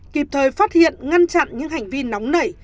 kịp thời phát hiện ngăn chặn những hành vi nóng nảy